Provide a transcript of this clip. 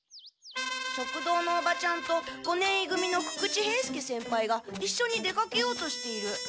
食堂のおばちゃんと五年い組の久々知兵助先輩がいっしょに出かけようとしている。